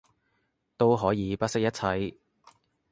都可以不惜一切